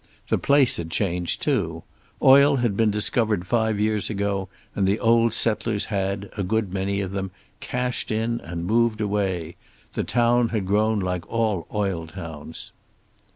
The place had changed, too. Oil had been discovered five years ago, and the old settlers had, a good many of them, cashed in and moved away. The town had grown like all oil towns.